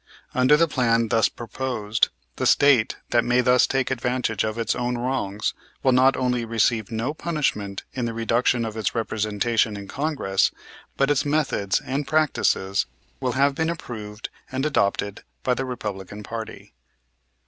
Under the plan thus proposed the State that may thus take advantage of its own wrongs will not only receive no punishment in the reduction of its representation in Congress, but its methods and practices will have been approved and adopted by the Republican party.